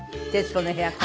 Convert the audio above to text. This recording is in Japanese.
『徹子の部屋』は